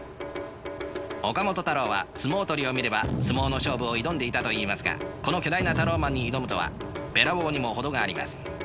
岡本太郎は相撲取りを見れば相撲の勝負を挑んでいたといいますがこの巨大なタローマンに挑むとはべらぼうにも程があります。